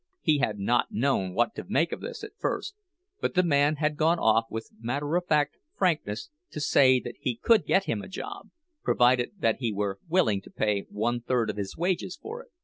He had not known what to make of this at first; but the man had gone on with matter of fact frankness to say that he could get him a job, provided that he were willing to pay one third of his wages for it.